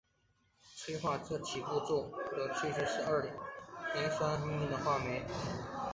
催化这起始步骤的酵素是二磷酸核酮糖羧化酶。